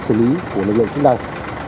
xử lý của lực lượng chức năng